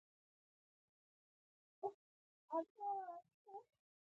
عسکر وویل چې ستا د مېلمه پالنې له امله دې نه نیسم